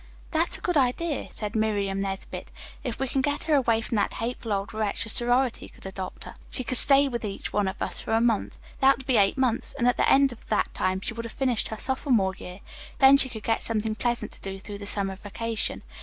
"That's a good idea," said Miriam Nesbit. "If we can get her away from that hateful old wretch, the sorority could adopt her. She could stay with each one of us for a month. That would be eight months, and at the end of that time she would have finished her sophomore year. Then she could get something pleasant to do through the summer vacation.